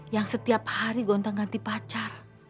yang setiap hari gonteng ganti pacar